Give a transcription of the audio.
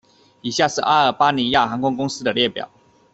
以下是阿尔巴尼亚航空公司的列表